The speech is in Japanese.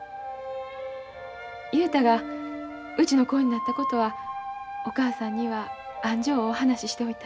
雄太がうちの子になったことはお母さんにはあんじょうお話ししておいた。